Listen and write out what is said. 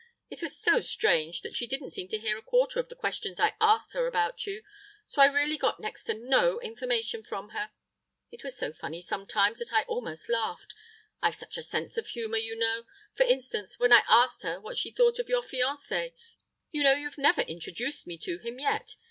It was so strange that she didn't seem to hear a quarter of the questions I asked her about you, so I really got next to no information from her. It was so funny sometimes that I almost laughed—I've such a sense of humour, you know. For instance, when I asked her what she thought of your fiancé (you know you've never introduced me to him yet!)